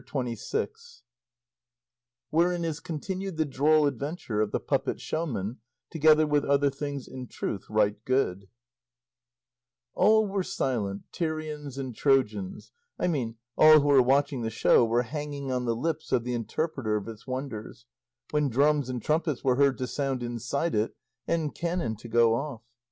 CHAPTER XXVI. WHEREIN IS CONTINUED THE DROLL ADVENTURE OF THE PUPPET SHOWMAN, TOGETHER WITH OTHER THINGS IN TRUTH RIGHT GOOD All were silent, Tyrians and Trojans; I mean all who were watching the show were hanging on the lips of the interpreter of its wonders, when drums and trumpets were heard to sound inside it and cannon to go off.